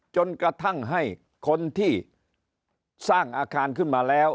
จนกระทั่งให้คนที่สร้างอาคารขึ้นมาแล้ว